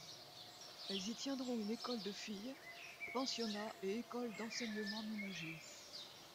Elles y tiendront une école de filles, pensionnat et école d'enseignement ménagers.